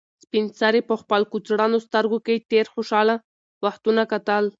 سپین سرې په خپل کڅوړنو سترګو کې تېر خوشحاله وختونه کتل.